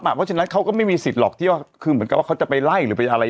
เพราะฉะนั้นเขาก็ไม่มีสิทธิ์หรอกที่ว่าคือเหมือนกับว่าเขาจะไปไล่หรือไปอะไร